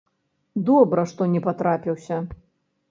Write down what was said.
Добра, што не патрапіўся.